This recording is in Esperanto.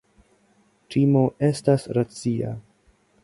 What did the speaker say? Timo estas racia.